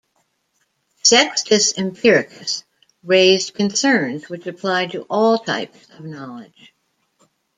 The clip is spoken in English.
Sextus Empiricus raised concerns which applied to all types of knowledge.